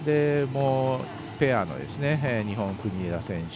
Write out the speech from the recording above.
ペアの日本、国枝選手